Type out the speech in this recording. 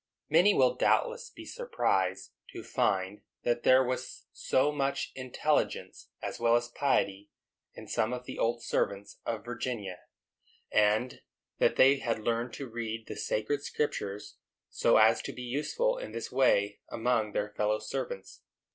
Many will doubtless be surprised to find that there was so much intelligence, as well as piety, in some of the old servants of Virginia, and that they had learned to read the Sacred Scriptures, so as to be useful in this way among their fellow servants.